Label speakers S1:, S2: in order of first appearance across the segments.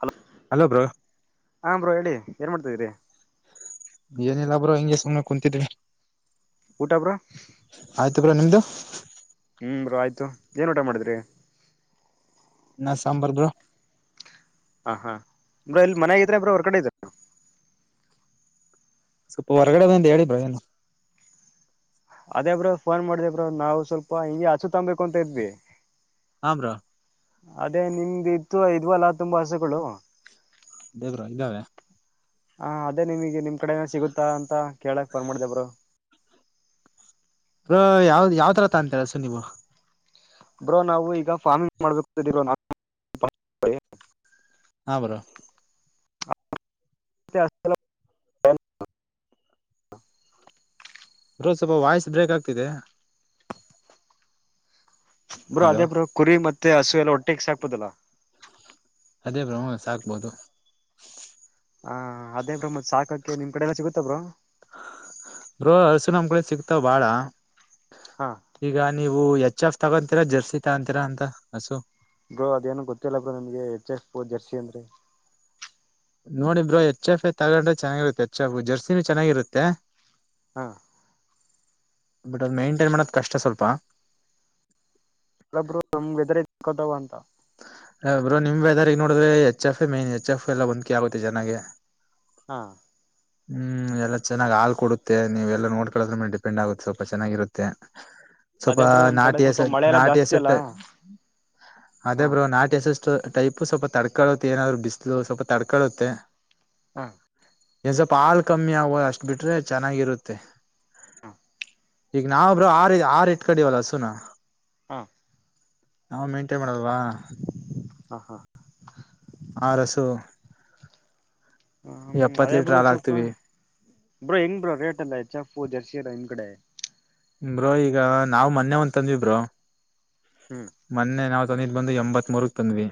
S1: Hello
S2: hello bro
S1: ಹ bro ಹೇಳಿ ಏನ್ ಮಾಡ್ತಾಿದೀರಿ.
S2: ಏನಿಲ್ಲ ಬ್ರೋ ಹಿಂಗಗೆ ಸುಮ್ನೆ ಕುಂತಿದಿ ಆಯ್ತ.
S1: ಊಟ ಬ್ರೋ
S2: ಆಯ್ತು ಬ್ರೋ ನಿಮ್ದು.
S1: ಹ ಆಯ್ತು ಏನ್ ಊಟ ಮಾಡಿದ್ರಿ.
S2: ಅನ್ನ ಸಾಂಬಾರ್ ಬ್ರೋ.
S1: ಹ ಹಾ ಬ್ರೋ, ಮನೇಲಿ ಇದ್ದೀರಾ ಹೊರ್ಗಡೆ ಇದ್ದೀರಾ.
S2: ಸ್ವಲ್ಪ ಹೊರ್ಗಡೆ ಬಂದ ಹೇಳಿ [unintelligible]
S1: ಅದೇಬ್ರ ಫೋನ್ ಮಾಡ್ದಬ್ರ ನಾವು ಸ್ವಲ್ಪ ಹಿಂಗಗೆ ಹಚು ತೊಂಬಬೇಕು ಅಂತ ಇದ್ವಿ.
S2: ಆ ಬ್ರೋ.
S1: ಅದೇ ನಿಮ್ದ ಇತ್ತು ಇದ್ವಲ್ಲ ತುಂಬಾ ಹಸುಗಳು.
S2: ದೇವ್ರಾ ಇದ್ದಾವೆ.
S1: ಹ ಅದೇ ನಿಮಗೆ ನಿಮ್ ಕಡೆ ಏನೋ ಸಿಗುತ್ತಾ ಅಂತ ಕೇಳಕ್ ಪೋನ್ ಮಾಡ್ದೆ ಬ್ರೋ. [unintelligible]
S2: ಹ ಯಾವ ಯಾವ ತರ ತ ಅಂತರಸ ನೀವು.
S1: ಬ್ರೋ ನಾವು ಈಗ ಫಾರ್ಮಿಂಗ್ ಮಾಡ್ಬೇಕರ [unintelligible]
S2: ಹಾ ಬ್ರೋ.
S1: [unintelligible]
S2: ಬ್ರೋ ಸ್ವಲ್ಪ ವಾಯ್ಸ್ ಬ್ರೇಕ್ ಆಗ್ತಿದೆ.
S1: ಬ್ರೋ
S2: ಹಲೋ
S1: ಅದೇ ಬ್ರೋ ಕುರಿ ಮತ್ತೆ ಹಸು ಎಲ್ಲ ಹೊಟ್ಟೆೆಗೆ ಸಾಕ್ಪುದಲ್ಲ.
S2: ಅದೇ ಬ್ರೋ ಸಾಕ್ಬೋದು.
S1: ನಿಮ್ಮ್ ಕಡೇ ಯಲ್ಲಾ ಸಿಗುತ್ತ ಬ್ರೋ.
S2: ಬ್ರೋ ಹಸು ನಮ್ ಕಡೆ ಸಿಕ್ತಾವ ಬಾಳ
S1: ಹಾ
S2: ಈಗ ನೀವು. ನೀವು ಎಚ್ ಎಫ್ ತಗೊತೀರಾ ಜರ್ಸಿ ತಗೊಂತೀರಾ ಅಂತ ಹಸು.
S1: ಬ್ರೋ ಅದೇನು ಗೊತ್ತಿಲ್ಲ ಬ ನಿಮ್ಗೆ ಎಚ್ ಎಫ್ ಜರ್ಸಿ ಅಂದ್ರೆ.
S2: ನೋಡಿ ಬ್ರೋ ಎಚ್ ಎಫ್ ಎ ತಗೊಂಡ್ರೆ ಚೆಾಗಿರುತ್ತೆ ಎಚ್ ಎಫ್ ಜರ್ಸಿಿನ ಚೆನ್ನಾಗಿರುತ್ತೆ.
S1: ಹಾ.
S2: ಬಟ್ ಅದ ಮೇಂಟೈನ್ ಮಾಡದ ಕಷ್ಟ ಸ್ವಲ್ಪ.
S1: ಬ್ರೋ ನಮಗೆದ್ರ ಸಿಕ್ಕೋದ್ ಅಂತ.
S2: ಬ್ರೋ ನಿಮ್ ವೆದರ್ ನೋಡಿದ್ರೆ H F A main H F A ಎಲ್ಲ ಹೊಂದ್ಕೆ ಆಗುತ್ತೆ ಚನ್ನಾಗಿ.
S1: ಹಾ
S2: ಹ್ಮ್ ಎಲ್ಲಾ ಚೆನ್ನಾಗಿ ಹಾಲ್ ಕೊಡುತ್ತೆ ನೀವೆಲ್ಲ ನೋಡ್ಕೊಳ್ಳದ್ರ ಮೇಲೆ ಡಿಪೆಂಡ್ ಆಗುತ್ತೆ ಸ್ವಲ್ಪ ಚೆನ್ನಾಗಿರುತ್ತೆ. ಸ್ವಲ್ಪ
S1: ಅದೇಬ್ರು ನಮ್ ಕಡೆ
S2: ನಾಟಿ ಹಸ
S1: ಸ್ವಲ್ಪ ಮಳೆ ಎಲ್ಲ
S2: ನಾಟಿ
S1: ಜಾಸ್ತಿ
S2: ಹಸದ್
S1: ಅಲ್ಲ
S2: ಟೈ ಅದೇ
S1: ಹಾ
S2: ಬ್ರೋ ನಾಟಿ ಹಸಷ್ಟು ಟೈಪ್ ಸ್ವಲ್ಪ ತಡ್ಕಳುತ್ತೆ ಏನಾದ್ರು ಬಿಸ್ಲು ಸ್ವಲ್ಪ ತಡ್ಕಳುತ್ತೆ.
S1: ಹೂಂ
S2: ಏ ಸ್ವಲ್ಪ ಹಾಲ್ ಕಮ್ಮಿ ಆವ ಅಷ್ಟ್ ಬಿಟ್ರೆ ಚೆನ್ನಾಗಿರುತ್ತೆ.
S1: ಹೂಂ
S2: ಈಗ ನಾವಬ್್ರ ಆರ್ ಆರು ಇಟ್ಕಡವಲ್ಲ ಸುನಾ
S1: ಹಾ
S2: ನಾವ್ ಮೇಂಟೈನ್ ಮಾಡಲ್ವಾ?
S1: ಆಹಾ
S2: ಆರ್ ಹಸು
S1: ಹ್ಮ
S2: ಎಪ್ಪತ್
S1: ಅದೇ
S2: ಲೀಟರ್
S1: ಬ್ರೋ
S2: ಹಾಲ್
S1: ಸೊಪ್ಪ
S2: ಹಾಕ್ತಿವಿ
S1: ಬ್ರೋ ಹೆಂಗ್ ಬ್ರೋ ರೇಟ್ ಎಲ್ಲ ಎಚ್ ಎಫ್ ಜರ್ಸಿ ನಿಮ್ ಕಡೆ.
S2: ಬ್ರೋ ಈಗ ನಾವು ಮೊನ್ನೆ ಒಂತಂದ್ವಿ ಬ್ರೋ
S1: ಹ್ಮ್
S2: ಮೊನ್ನೆ ನಾವ್ ತಂದಿದ್ ಬಂದು ಎಂಬತ್ತ್ ಮೂರಕ್ ತಂದ್ವಿ.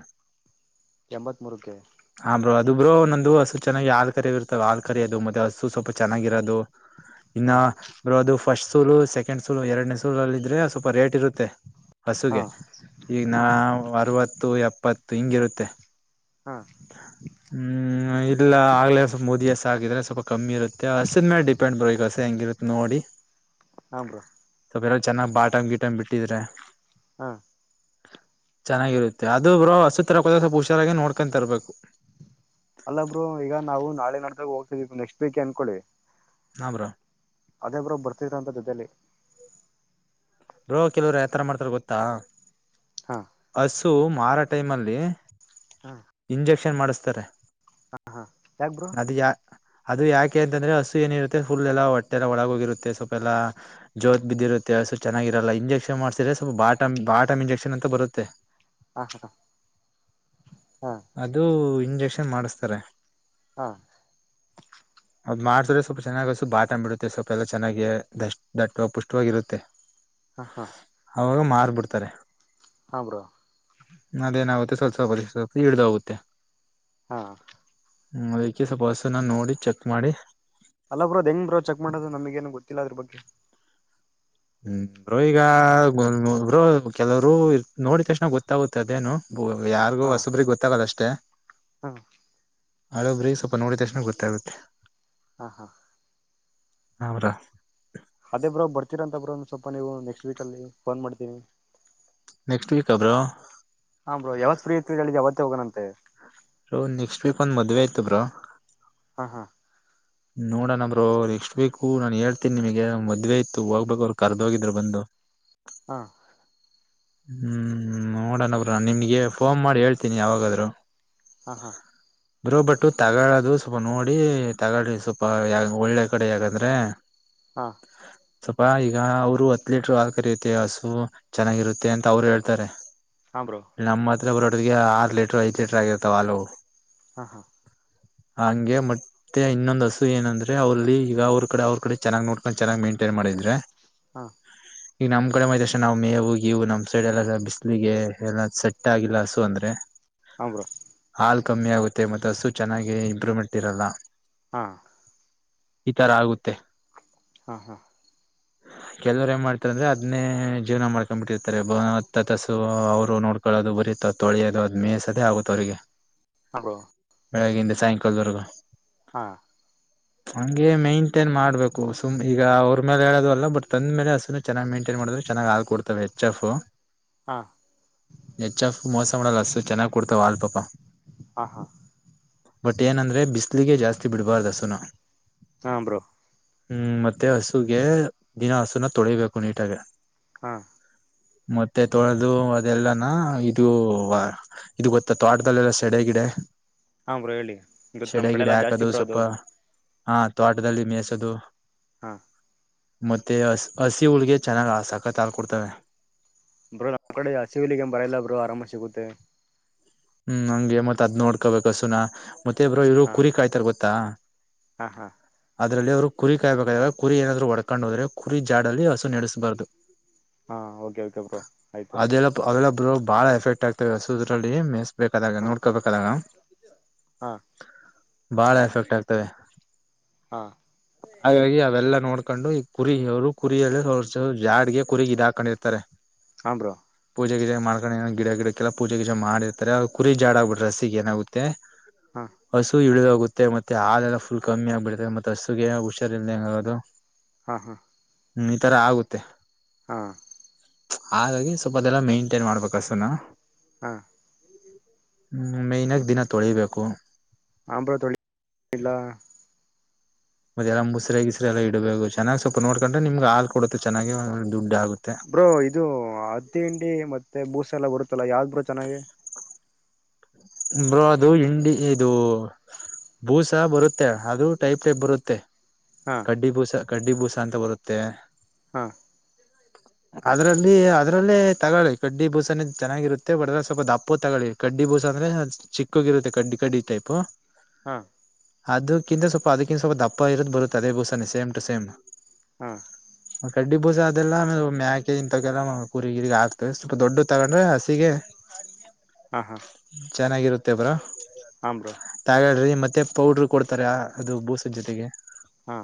S1: ಎಂಬತ್ ಮೂರಕ್ಕೆ
S2: ಆ ಬ್ರೋ ಅದು ಬ್ರೋ ನಂದು ಹಸು ಚೆನ್ನಾಗಿ ಆಲ್ ಕರಿ ಇರ್ತೆ ಆಲ್ ಕರಿ ಅದು ಮತ್ತೆ ಹಸು ಸ್ವಲ್ಪ ಚೆನ್ನಾಗಿರೋದು ಇನ್ನ
S1: ಹಾ
S2: ಬ್ರೋ ಅದು ಫಸ್ಟ್ ಸೂಲೂ ಸೆಕೆಂಡ್ ಸೂಲು ಎರಡನೇ ಸೂಲ ಅಲ್ ಇದ್ರೆ ಸ್ವಲ್ಪ ರೇಟ್ ಇರುತ್ತೆ.
S1: ಹಾ
S2: ಹಸುಗೆ ಈಗ ನಾ
S1: ಹಾ
S2: ಅರವತ್ತು ಎಪ್ಪತ್ತು ಹಿಂಗಿರುತ್ತೆ.
S1: ಹಾ
S2: ಹ್ಮ್ ಇಲ್ಲ ಆಗ್ಲೇ ಮೋದಿ ಹಸ್ ಗಿದ್ರೆ ಸ್ವಲ್ಪ ಕಮ್ಮಿ ಇರುತ್ತೆ ಹಸಿನ ಮೇಲೆ ಡಿಪೆಂಡ್ ಬರು ಈಗ ಹಸು ಹೆಂಗಿರುತ್ತೆ ನೋಡಿ
S1: ಹಾ ಬ್ರೊ
S2: ಬರ ಚೆನ್ನ್ ಬಾಟಂ ಗೀಟಂ ಬಿಟ್ಟಿದ್ರೆ
S1: ಹಾ
S2: ಚೆನ್ನಾಗಿರುತ್ತೆ ಅದು ಬ್ರೋ ಹಸು ತರಕೋದ್ರೇ ಸ್ವಲ್ಪ ಹುಷಾರಾಗಿ ನೋಡ್ಕೊಂತರ್ಬೇಕು.
S1: ಅಲ್ಲ ಬ್ರೋ ಈಗ ನಾವು ನಾಳೆ ನಾಡ್ದಾಗ ಹೋಗ್ತಿದೀವಿ ನೆಕ್ಸ್ಟ್ ವೀಕ್ ಅನ್ಕೊಳ್ಳಿ
S2: ಹಾ ಬ್ರೋ
S1: ಅದೇ ಬ್ರೋ ಬರ್ತೀರಂತ ಜೊತೇಲ್ಲಿ
S2: ಬ್ರೋ ಕೆಲವರು ಯಾತರ ಮಾಡ್ತಾರ ಗೊತ್ತಾ
S1: ಹಾ
S2: ಸು ಮಾರೋ ಟೈಮ್ ಅಲ್ಲಿ
S1: ಹ್ಮ
S2: ಕ್ಷನ್ ಮಾಡಿಸ್ತಾರೆ
S1: ಯಾಕ್ ಬ್ರೋ
S2: ಅದು ಯಾ ಅದು ಯಾಕೆ ಅಂತಂದ್ರೆ ಹಸು ಏನಿರುತ್ತೆ ಫುಲ್ ಎಲ್ಲಾ ಹೊಟ್ಟೆಲ್ಲ ಒಳಗೋಗಿರುತ್ತೆ ಸ್ವಪೆಲ್ಲ ಜೋತ್ ಬಿದ್ದಿರುತ್ತೆ ಹಸು ಚೆನ್ನಾಗಿರಲ್ಲ ಇಂಜೆಕ್ಷನ್ ಮಾಡಸಿದ್ರೆ ಸ್ವಲ್ ಬಾಟಂ ಬಾಟಂ ಇಂಜೆಕ್ಷನ್ ಅಂತ ಬರುತ್ತೆ.
S1: ಹಾ ಹಾ ಹಾ
S2: ಅದೂ ಇಂಜೆಕ್ಷನ್ ಮಾಡಿಸತಾರೆ.
S1: ಹಾ.
S2: ಅದ್ ಮಾಡಿದ್ರೆ ಸ್ವಲ್ಪ ಚೆನ್ನಾಗ ಬಾತಂಬ ಬಿಡುತ್ತೆ ಸ್ವಲ್ಪ ಎಲ್ಲ ಚನ್ನಾಗಾಗಿ ದ ದಟ್ಟ ಪುಷ್ಟವಾಗಿರುತ್ತೆ.
S1: ಹಾ ಹಾ
S2: ಅವಾಗ ಮಾರ್ಬಿಡ್ತಾರೆ
S1: ಹಾ ಬ್ರೋ
S2: ಅದೇನಾಗುತ್ತೆ ಸ್ವಲ್ಪ ಸ್ವಲ್ಪ ಸ್ವಲ್ ಇಳದೋಗುತ್ತೆ.
S1: ಹಾ
S2: ಹ್ಮ ಅದಕ್ಕೆ ಸ್ವಲ್ಪ್ ಹಸುನಾ ನೋಡಿ ಚೆಕ್ ಮಾಡಿ
S1: ಅಲ್ಲ ಬ್ರೋ ಅದ್ ಹೆಂಗ್ ಬರೋ ಚೆಕ್ ಮಾಡೋದು ನಮಗ ಏನು ಗೊತ್ತಿಲ್ಲ ಅದ್ರ ಬಗ್ಗೆ.
S2: ಹ್ಮ್ ಬ್ರೋ ಈಗ ಬ್ರೋ ಕೆಲವರು ನೋಡಿದ ತಕ್ಷಣ ಗೊತ್ತಾಗುತ್ತ ಅದೇನು ಯಾರಿಗೂ
S1: ಹಾ
S2: ಹೊಸಬ್ರಿಗೆ ಗೊತ್ತಾಗಲ್ ಅಷ್ಟೇ
S1: ಹಾ
S2: ಹಳಬ್ರೀಗ್ ಸ್ವಲ್ಪ ನೋಡಿದ ತಕ್ಷಣ ಗೊತ್ತಾಗುತ್ತೆ.
S1: ಹಾ ಹಾ
S2: ಅವ್ರ
S1: ಅದೇ ಬ್ರೋ ಬರ್ತೀರ ಅಂತ ಬ್ರೋ ಒಂದ್ ಸ್ವಲ್ಪ ನೀವು ನೆಕ್ಸ್ಟ್ ವೀಕ್ ಅಲ್ಲಿ ಫೋನ್ ಮಾಡ್ತೀನಿ.
S2: ನೆಕ್ಸ್ಟ್ ವೀಕ್ ಬ್ರೋ
S1: ಹ ಬ್ರೋ ಯಾವತ್ ಫ್ರೀ ಇರ್ತೀರ್ ಹೇಳಿ ಆವತ್ತೇ ಹೋಗಣಂತೆ.
S2: ಬ್ರೋ ನೆಕ್ಸ್ಟ್ ವೀಕ್ ಒಂದ್ ಮದ್ವೆ ಇತ್ತು ಬ್ರೋ.
S1: ಹಾ ಹಾ
S2: ನೋಡಣ ಬ್ರೋ ನೆಕ್ಸ್ಟ್ ವೀಕು ನಾನ್ ಹೇಳ್ತೀನ್ ನಿಮಗೆ ಮದ್ವೆ ಇತ್ತು ಹೋಗ್ಬೇಕು ಅವ್ರು ಕರ್ದೋಗಿದ್ರು ಬಂದು.
S1: ಹಾ
S2: ಹ್ಮ್ ನೋಡಣರ ಬ್ರೋ ನಿಮ್ಗೆ ಫೋನ್ ಮಾಡಿ ಹೇಳ್ತೀನಿ ಯಾವಾಗಾದ್ರು.
S1: ಹಾ ಹಾ
S2: ಬ್ರೋ ಬಟ್ಟು ತಗೊಳ್ಳದು ಸ್ವಲ್ಪ ನೋಡಿ ತಗಳ್ರಿ ಸ್ವಲ್ಪ ಯ ಒಳ್ಳೆ ಕಡೆ ಯಾಕಂದ್ರೆ
S1: ಹಾ
S2: ಸ್ವಲ್ಪ ಈಗ ಅವರು ಹತ್ ಲೀಟರ್ ಹಾಲ ಕರಿಯುತ್ತೆ ಹಸು ಚೆನ್ನಾಗಿರುತ್ತೆ ಅಂತ ಅವ್ರ ಹೇಳ್ತಾರೆ
S1: ಹಾಂ ಬ್ರೋ
S2: ನಮ್ಮ ಹತ್ರ ಬರೋಟಿಗೆ ಆರ್ ಲೀಟರ್ ಐದ್ ಲೀಟರ್ ಆಗಿರ್ತಾವ ಹಾಲು.
S1: ಹಾಂ ಹಾಂ
S2: ಹಂಗೆ ಮತ್ತೆ ಇನ್ನೊಂದ್ ಹಸು ಏನಂದ್ರೆ ಅವ್ರಲ್ಲಿ ಈಗ ಅವ್ರ ಕಡೆ ಅವ್ರ ಕಡೆ ಚೆನ್ನಾಗ್ ನೋಡ್ಕೊಂಡು ಚೆನ್ನಾಗ ಮೇಂಟೈನ್ ಮಾಡಿ ಇದ್ರೆ
S1: ಹಾಂ
S2: ಈಗ ನಮ್ಮ ಕಡೆ ಮೈದ ತಕ್ಷಣ ನಾವ್ ಮೇವು ಗಿವು ನಮ್ ಸೈಡ್ ಎಲ್ಲ ಸ ಬಿಸ್ಲಿಗೆ ಎಲ್ಲ ಸೆಟ್ ಆಗಿಲ್ಲ ಹಸು ಅಂದ್ರೆ
S1: ಹಾ ಬ್ರೋ
S2: ಅಲ್ಲಿ ಕಮ್ಮಿ ಆಗುತ್ತೆ ಮತ್ತ ಹಸು ಚೆನ್ನಾಗಿ ಇಂಪ್ರೂವ್ಮೆಂಟ್ ಇರಲ್ಲ.
S1: ಹಾ
S2: ಇಥರ ಆಗುತ್ತೆ.
S1: ಹಾ ಹಾ
S2: ಕೆಲವರು ಏನ್ ಮಾಡ್ತಾರಂದ್ರೆ ಅದ್ನೇ ಜೀವನ ಮಾಡ್ತ ಮಾಡ್ಕೊಂಡ್ ಬಿಟ್ಟಿರ್ತಾರೆ ಬ ಹತ್ತ ಹತ್ತ ಹಸು ಅವ್ರು ನೋಡ್ಕೊಳ್ಳೋದು ಬರೀತ ತೊಳೆಯೋದು ಅದ ಮೇಸದೇ ಆಗುತ್ತೆ ಅವ್ರಿಗೆ.
S1: ಹಾಂ ಬ್ರೋ
S2: ಬೆಳಗ್ಗಿಂದ ಸಾಯಂಕಾಲದ್ ವರ್ಗೂ
S1: ಹಾ
S2: ಹಗೆ ಮೈಂಟೇನ್ ಮಾಡ್ಬೇಕು ಸುಮ್ ಈಗ ಅವ್ರ ಮೇಲೆ ಹೇಳೋದು ಅಲ್ಲ ಬಟ್ ತಂದ ಮೇಲೆ ಹಸುನ ಚೆನ್ನಾಗ್ ಮೈಂಟ ಮೆಂಟೇನ್ ಮಾಡಿದ್ರೆ ಚೆನ್ನಾಗ ಹಾಲ್ ಕೊಡ್ತವೆ ಎಚ್ ಎಫ್
S1: ಹಾ
S2: ಎಚ್ ಎಫ್ ಮೋಸ ಮಾಡಲ್ಲಾ ಹಸ್ಸು ಚೆನ್ನಾಗ ಕೊಡ್ತಾವ ಹಾಲ್ ಪಾಪಾ.
S1: ಹಾಂ ಹಾಂ
S2: ಬಟ್ ಏನಂದ್ರೆ ಬಿಸಲಿಗೆ ಜಾಸ್ತಿ ಬಿಡ್ಬಾರ್ದ ಹಸುನ
S1: ಹಾಂ ಬ್ರೋ
S2: ಹ್ಮ್ ಮತ್ತೆ ಹಸುಗೆ ದಿನ ಹಸುನ ತೊಳಿಬೇಕು ನೀಟಾಗೆ.
S1: ಹಾ
S2: ಮತ್ತೆ ತೊಳೆದು ಅದೆಲ್ಲಾನ ಇದು ಇದು ಗೊತ್ತ ತೋಟದಲ್ಲೆಲ್ಲಾ ಸೆಡೆಗಿಡ
S1: ಹಾಂ ಬ್ರೋ ಹೇಳಿ ಇವತ್ತು ನಮ್ಮ
S2: ಶಡೇ
S1: ಕಡೆ
S2: ಗಿಡೇ
S1: ಎಲ್ಲ ಜಾಸ್ತಿ
S2: ಹಾಕದು
S1: ಬ್ರೋ
S2: ಸ್ವಲ್ಪ
S1: ಅದು
S2: ಹಾ ತೋಟದಲ್ಲಿ ಮೇಸದು.
S1: ಹಾ
S2: ಮತ್ತೆ ಹಸ್ ಹಸಿ ಹುಲ್ಲಿಗೆ ಚೆನ್ನಾಗ್ ಆ ಸಕತ್ ಹಾಲ್ ಕೊಡ್ತವೆ.
S1: ಬ್ರೋ ನಮ್ಮ್ ಕಡೆ ಹಸಿ ಹುಲ್ಲಗೆ ಏನ್ ಬರ ಇಲ್ಲ ಬ್ರೋ ಆರಾಮಾಗಿ ಸಿಗುತ್ತೆ.
S2: ಹ್ಮ್ ಹಂಗೆ ಮತ್ ಅದ್ ನೋಡ್ಕೋಬೇಕ ಹಸೂನಾ. ಮತ್ತೆ ಬ್ರೋ ಇವ್ರು
S1: ಹಾಂ
S2: ಕುರಿ ಕಾಯ್ತಾರ ಗೊತ್ತಾ?
S1: ಹಾಂ ಹಾಂ
S2: ಅದ್ರಲ್ಲಿ ಅವ್ರು ಕುರಿ ಕಾಯಬೇಕಾದ್ರೆ ಕುರಿ ಏನಾದ್ರು ಒಡ್ಕೊಂಡು ಹೋದ್ರೆ ಕುರಿ ಜಾಡಲ್ಲಿ ಹಸು ನಡೆಸಸ್ಬಾರ್ದು.
S1: ಹಾ ಓಕೆ ಓಕೆ ಬ್ರೋ ಆಯ್ತು.
S2: ಅವೆಲ್ಲ ಬ್ರೋ ಬಾಳ ಎಫೆಕ್ಟ್ ಆಗ್ತವೆ ಹಸೂದ್ರಲ್ಲಿ ಮೆ ಬೇಕಾದಾಗ
S1: ಹಾಂ
S2: ನೋಡ್ಕೋಬೇಕಾದಾಗ.
S1: ಹಾಂ
S2: ಬಾಳ ಎಫೆಕ್ಟ್ ಆಗ್ತವೆ
S1: ಹಾಂ
S2: ಹಾಗಾಗಿ ಅವೆಲ್ಲ ನೋಡ್ಕೊಂಡು ಈ ಕುರಿ ಅವರು ಕುರಿಯಲ್ಲಿ ಅವ್ರು ಜಾಡ್ಗೆ ಕುರಿಗ ಇದು ಹಾಕೊಂಡಿರ್ತಾರೆ.
S1: ಹಾ ಬ್ರೋ.
S2: ಪೂಜ ಗೀಜ ಮಾಡ್ಕೊಂಡ ಏನೋ ಗಿಡ ಗಿಡಕ್ಕೆಲ್ಲ ಪೂಜೆ ಗೀಜ ಮಾಡಿರ್ತಾರೆ ಕುರಿ ಜಾಡಗ್ಬಿಟ್ರೆ ಹಸಿಗ್ ಏನಾಗುತ್ತೆ
S1: ಹಾಂ
S2: ಹಸು ಇಲದವ ಗೊತ್ತೆ ಮತ್ತೆ ಹಾಲೆಲ್ಲ ಫುಲ್ ಕಮ್ಮಿ ಆಗ್ಬಿಡತೆ ಮತ್ತೆ ಹಸುಗೆ ಹುಷಾರಿಲ್ದಂಗ ಆಗೋದು.
S1: ಹಾ ಹಾ
S2: ಹ್ಮ್ ಈ ತರ ಆಗುತ್ತೆ.
S1: ಆ
S2: ಹಾಗಾಗಿ ಸ್ವಲ್ಪ ದಿನ ಮೇಂಟೈನ್ ಮಾಡ್ಬೇಕು ಹಸುನಾ
S1: ಹಾ
S2: ಹ್ಮ್ ಮೈನಾಕಗಿ ದಿನ ತೊಳಿಬೇಕು.
S1: ಹಾಂ ಬ್ರೋ ತೊಳಿ ಇಲ್ಲ
S2: ಮತ್ತೆಲ್ಲ ಮುಸ್ರೆ ಗಿಸ್ರೆ ಎಲ್ಲ ಇಡ್ಬೇಕು ಚೆನ್ನಾಗಿ ಸ್ವಲ್ಪ ನೋಡ್ಕೊಂಡ್ರೆ ನಿಮ್ಗೆ ಹಾಲ್ ಕೊಡುತ್ತು ಚೆನ್ನಾಗಿ ದುಡ್ಡು ಆಗುತ್ತೆ
S1: ಬ್ರೋ ಇದು ಹತ್ತಿ ಹಿಂಡಿ ಮತ್ತೆ ಬೂಸ ಎಲ್ಲ ಬರುತ್ತಲ್ಲ ಯಾವ್ದ್ ಬ್ರೋ ಚೆನ್ನಾಗಿ
S2: ಬ್ರೋ ಅದು ಹಿಂಡಿ ಇದು ಭೂಸ ಬರುತ್ತೆ ಆದ್ರೂ ಟೈಪ್ ಟೈಪ್ ಬರುತ್ತೆ
S1: ಹಾ
S2: ಕಡ್ಡಿ ಬೂಸ ಕಡ್ಡಿ ಬೂಸ ಅಂತ ಬರುತ್ತೆ.
S1: ಹಾ
S2: ಅದ್ರಲ್ಲಿ ಅದ್ರಲ್ಲೇ ತಗೊಳ್ಳಿ ಕಡ್ಡಿ ಬೂಸನ ಚೆನ್ನಾಗಿರುತ್ತೆ ಬಟ್ದ್ರೆ ಸ್ವಲ್ಪ ದಪ್ಪುದು ತಗೊಳ್ಳಿ ಕಡ್ಡಿ ಬೂಸ ಅಂದ್ರೆ ಚಿಕ್ಕೋಗಿರುತ್ತೆ ಕಡ್ಡಿ ಕಡ್ಡಿ ಟೈಪ್
S1: ಹಾ
S2: ಅದಕ್ಕಿಂತ ಸ್ವಲ್ಪ ಅದಕ್ಕಿಂತ ಸ್ವಲ್ಪ ದಪ್ಪ ಇರದ್ ಬರುತ್ತೆ ಅದೇ ಬೂಸಾನ ಸೇಮ್ ಟು ಸೇಮ್
S1: ಹಾ
S2: ಕಡ್ಡಿ ಬೂಸ ಅದೆಲ್ಲ ಆಮೇ ಮ್ಯಾಕೆ ಇನ್ ತಾಗೆಲ್ಲ ಕುರಿ ಗಿರಿಗೆ ಆಕ್ತವೆ ಸ್ವಲ್ಪ ದೊಡ್ಡ ತಗೊಂಡ್ರೆ ಹಸಿಗೆ
S1: ಹಾ ಹಾ
S2: ಚೆನ್ನಾಗಿರುತ್ತೆ ಬ್ರೊ
S1: ಹಾಂ ಬ್ರೋ
S2: ತಗಡ್ರಿ ಮತ್ತೆ ಮತ್ತೆ ಪೌಡರು ಕೊಡ್ತಾರೆ ಅದು ಬೂಸದ ಜೊತೆಗೆ.
S1: ಹಾ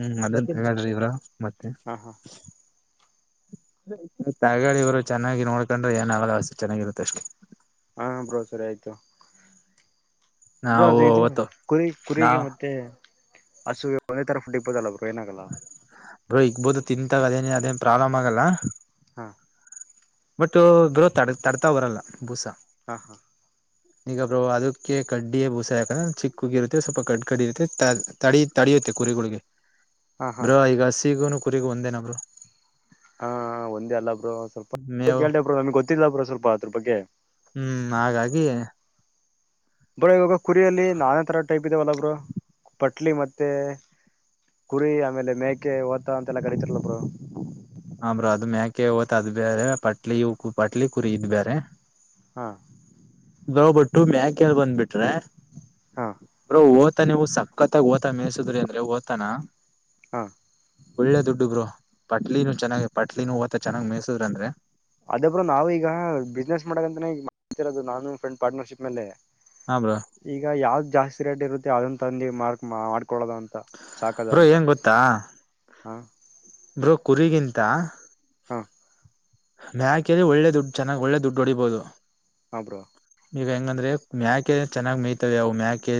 S2: ಹ್ಮ್ ಅದ್ದ ಒಂದು ತಗಳ್ರಿ ಬ್ರೊ ಮತ್ತೆ.
S1: ಹಾ ಹಾ
S2: ತಗಳಿ ಬ್ರೊ ಚೆನ್ನಾಗಿ ನೋಡ್ಕೊಂಡ್ರೆ ಏನಾಗಲ್ಲ ಹಸು ಚೆನ್ನಾಗಿರುತ್ತೆ ಅಷ್ಟೆ
S1: ಹಾ ಬ್ರೋ ಸರಿ ಆಯ್ತು. ಬ್ರೂ
S2: ನಾವು
S1: ಅದು ಇದು
S2: ಅವತ್ತು
S1: ಕುರಿ ಕುರಿಗೆ
S2: ನಾವು
S1: ಮತ್ತೆ ಹಸುಗೆ ಒಂದೇ ತರ ಫುಡ್ ಇಕ್ಕಬಹುದಲ ಬ್ರೋ ಏನಾಗಲ್ಲಾ
S2: ಬ್ರೊ ಇಗ್ಬೋದು ತಿಂತಾಗ ಅದೇನ ಅದೇನ್ ಪ್ರಾಬ್ಲಮ್ ಆಗಲ್ಲ.
S1: ಹಾ
S2: ಬಟ್ ಬ್ರೊ ತ ತಡ್ತಾ ಬರಲ್ಲ ಬೂಸ
S1: ಹಾ ಹಾ
S2: ಈಗ ಬ್ರೋ ಅದಕ್ಕೆ ಕಡ್ಡಿಯ ಬೂಸ ಯಾಕಂದ್ರೆ ಚಿಕ್ಕಗಿರುತ್ತೆ ಸ್ವಲ್ಪ ಕಡ್ ಕಡ್ಡಿ ಇರುತ್ತೆ ತ ತಡಿಯುತ್ತೆ ಮುಗಿಯುತ್ತೆ ಕುರಿಗಳಿಗೆ
S1: ಹಾ ಹಾ
S2: ಬ್ರೊ ಈಗ ಹಸಿಗುನು ಕುರಿಗೂ ಒಂದೇನ ಬ್ರೋ
S1: ಹಾ ಒಂದೇ ಅಲ್ಲ ಬ್ರೋ ಸ್ವಲ್ಪ
S2: ಮೇವು
S1: ಕೇಳ್ದ ಬ್ರೋ ನಮ್ಗ್ ಗೊತ್ತಿಲ್ಲ ಬ್ರೋ ಸ್ವಲ್ಪ ಅದ್ರ ಬಗ್ಗೆ
S2: ಹ್ಮ್ ಹಾಗಾಗಿ
S1: ಬ್ರೋ ಇವಾಗ ಕುರಿಯಲ್ಲಿ ನಾನ ತರ ಟೈಪ್ ಇದಾವಲ್ಲ ಬ್ರು ಪಟ್ಟಿ ಮತ್ತೆ ಕುರಿ ಆಮೇಲೆ ಮೇಕೆ ಓತ ಅಂತೆಲ್ಲ ಕರಿತಿರಲ ಬ್ರೊ
S2: ಆ ಬ್ರೊ ಅದು ಮ್ಯಾಕೆ ಓತ ಅದು ಬೇರೆ ಪಟ್ಲಿ ಪಟ್ಲಿ ಕುರಿ ಇದು ಬೇರೆ.
S1: ಹಾ
S2: ಬ್ರೊ ಬಟ್ಟು ಮ್ಯಾಕೆ ಎಲ್ ಬಂದ್ಬಿಟ್ರೆ
S1: ಹಾ
S2: ಬ್ರೋ ಓತ ನೀವು ಸಕ್ಕತ್ತಾಗ ಓತ ಓತ ಮೇಯಸುದ್ರಿ ಅಂದ್ರೆ ಓತಾನ
S1: ಹಾ
S2: ಒಳ್ಳೆ ದುಡ್ಡು ಬ್ರೊ ಪಟ್ಲೂ ಚೆನ್ನಾಗ ಪಟ್ಲ ನೂವತ್ತ ಚೆನ್ನಾಗ್ ಮೇಯಸುದ್ರ ಅಂದ್ರೆ
S1: ಅದೊಬ್ರು ನಾವವು ಈಗ ಬಿಸ್ನೆಸ್ ಮಾಡಕ್ಂತಾನೇ ಮಾಡತಿರೋದು ನಾನು ಫ್ರೆಂಡ್ ಪಾರ್ಟ್ನರ್ಶಿಪ್ ಮೇಲೆ
S2: ಹಾ ಬ್ರೋ
S1: ಈಗ ಯಾವ್ದ್ ಜಾಸ್ತಿ ರೇಟ್ ಇರುತ್ತೆ ಅದನ್ ತಂದು ಮಾಡಕ್ ಮಾಡ ಕೊಳದು ಅಂತ ಸಾಕದ
S2: ಬ್ರೋ
S1: ಅಂತ
S2: ಏನ್ ಗೊತ್ತಾ
S1: ಹ
S2: ಬ್ರೋ ಕುರಿಗಿಂತ
S1: ಹಾ
S2: ಮ್ಯಾಕೆಲ್ಲಿ ಒಳ್ಳೆ ದುಡ್ಡು ಚೆನ್ನಾಗ್ ಒಳ್ಳೆ ದುಡ್ಡು ಹೊಡಿಬಹುದು.
S1: ಆ ಬ್ರೋ
S2: ಈಗ ಹೆಂಗಂದ್ರೆ ಮ್ಯಾಕೆ ಚೆನ್ನಾಗಿ ಮೇಯ್ತವೆ ಅವು ಮ್ಯಾಕೆ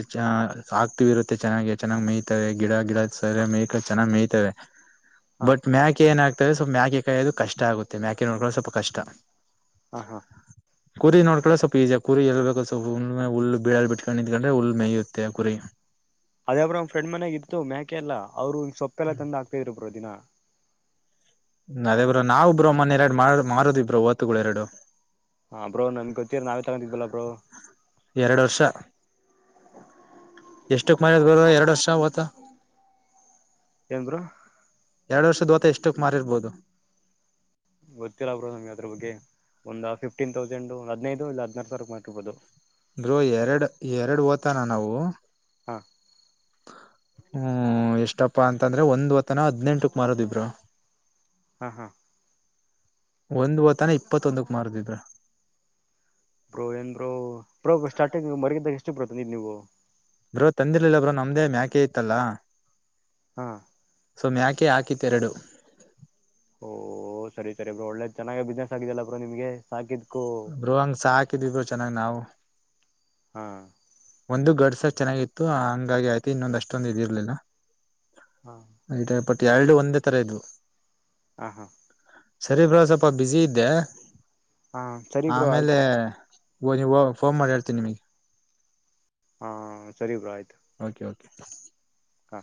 S2: ಆಕ್ಟಿವ್ ಇರುತ್ತೆ ಚೆನ್ನಾಗಿ ಚನ್ನಾಗ್ ಮೆಯ್ತ ಗಿಡ ಗಿಡ ಸರಿಯಾಗ್ ಮೇಯ್ಕ್ಂಡ್ ಚೆನ್ನಾಗಿ ಮೇಯ್ತವೆ.
S1: ಹಾ
S2: ಬಟ್ ಮ್ಯಾಕೆ ಏನಾಗ್ತದೆ ಸ್ವಲ್ಪ ಮ್ಯಾಕೆ ಕಾಯೋದು ಕಷ್ಟ ಆಗುತ್ತೆ ಮ್ಯಾಕೆ ನೋಡ್ಕೊಳ್ಳ ಸ್ವಲ್ಪ ಕಷ್ಟ
S1: ಹಾ ಹಾ
S2: ಕುರಿ ನೋಡ್ಕೊಂಡ್ರ ಸ್ವಲ್ಪ ಈಸಿಯ ಕುರಿ ಎಳ್ಬೇಕು ಸ್ವಪ ಹುಲ್ಲು ಬೀಳಾಲ್ ಬಿಟ್ಕೊಂಡು ನಿಕೊಂಡ್ರೆ ಹುಲ್ಲು ಮಯುತ್ತೆ ಕುರಿ
S1: ಅದೇಬ್ರು ಅವ್ ಫ್ರೆಂಡ್ ಮನೆಾಗ ಇತ್ತು ಮ್ಯಾೇಕೆಲ್ಲ ಅವರು ಸೊಪ್ಪೆಲ್ಲ ತಂದ ಆಗ್ತಿದ್ರು ದಿನ
S2: ಅದೇ ಬ್ರೋ ನಾವವುಬ್ ಮೊ ಎರಡು ಮಾಡ ಮಾರದ ಇಬ್ರೋ ಓತ್ತುಗಳು ಎರಡು
S1: ಹ ಬ್ರೋ ನಮ್ಗೆ ಗತ್ತೀರ ನಾವೇ ತಗತಿದ್ವಲ್ಲ ಬ್ರೋ
S2: ಎರಡ್ ವರ್ಷ ಎಷ್ಟಕ್ ಮಾರಿದ ಬರೀ ಎರಡು ವರ್ಷ ಓತ್ತ
S1: ಎಏ ಬ್ರು
S2: ಎರಡ್ ವರ್ಷದ ಓತ ಎಷ್ಟಕ್ ಮಾರಿರ್ಬೋದು
S1: ಗೊತ್ತಿಲ್ಲ ಬ್ರೋ ನಮ್ಗೆ ಅದ್ರ ಬಗ್ಗೆ ಒಂದ ಫಿಫ್ಟೀನ್ ತೌಸಂಡ್ ಒಂದ ಹದಿನೈದು ಇ ಹದಿನಾರ ಸಾವಿರಕ್ ಮಾಡಿರ್ಬೋದು
S2: ಅಂದೋ ಎರಡು ಎರಡು ಓತಾನ ನಾವು
S1: ಹಾಂ
S2: ಹ್ಮ್ ಎಷ್ಟಪ್ಪಾ ಅಂತಂದ್ರೆ ಒಂದ್ವತ್ತನ ಹದ್ನನೆಂಟಕ್ ಮಾರದಿಬ್ರು
S1: ಹಾ ಹಾ
S2: ಒಂದು ವತಾನ ಇಪ್ಪತ್ತೊಂದಕ್ ಮಾರದಿದ್ರ
S1: ಬೋ ಏನ್ ಬೋ ಬೋ ಸ್ಟಾರ್ಟಿಂಗ್ ಮರಗಿದ್ದಾಗ ಎಷ್ಟು ಬಿಡತ್ತೆ ನೀ್ ನೀವು
S2: ಬ್ರೋ ತಂದಿರ್ಲಿಲ್ಲ ಬ್ರೋ ನಮ್ದೇ ಮ್ಯಾಕೆ ಇತ್ತಲ್ಲಾ
S1: ಹಾ
S2: ಯಾಕೆ ಹಾಕಿತ್ತ ಎರಡು
S1: ಓಹ ಸರಿ ಸರಿಬ್ ಒಳ್ಳೆದ ಚೆನ್ನಾಗ ಬಿಸ್ನೆಸ್ ಆಗಿದಲ್ಲ ಬ್ರ ನಿಮ್ಗೆ ಸಾಕಿದ್ಕು
S2: ಬ್ರೋ ಹಂಗ ಸಾಕಿದವಿ ಬ ಚೆನ್ನಾಗ್ ನಾವು
S1: ಹಾ
S2: ಒಂದು ಗಡ್ಸ ಚೆನ್ನಾಗಿತ್ತು ಹಂಗಾಗಿ ಆಯ್ತು ಇನ್ನೊಂದ ಅಷ್ಟೊಂದು ಇದಿರ್ಲಿಲ್ಲ
S1: ಹಾ
S2: ಆಯ್ತ ಬಟ್ ಎರಡು ಒಂದೇ ತರ ಇದದು
S1: ಹ ಹಾ
S2: ಸರಿ ಬರೋ ಸ್ವಲ್ಪ ಬಿಜಿ ಇದ್ದೆ
S1: ಹಾ ಸರಿ ಬ್ರೋ ಆಯ್ತು
S2: ಓ ನೀವು ಫೋನ್ ಮಾಡಿ ಹೇಳ್ತೀನಿ ನಿಮಗೆ
S1: ಹಾ ಸರಿಬ್ರಾ ಆಯ್ತು
S2: ಓಕೆ ಓಕೆ
S1: ಹಾ